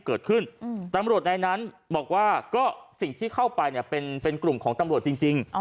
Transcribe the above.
เกิดขึ้นตำรวจในนั้นบอกว่าก็เป็นกลุ่มของตำรวจจริงจริง